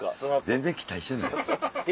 全然期待してない。